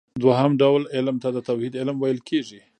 دوهم ډول علم ته د توحيد علم ويل کېږي .